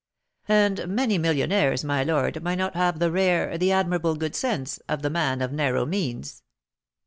"And many millionaires, my lord, might not have the rare, the admirable good sense, of the man of narrow means."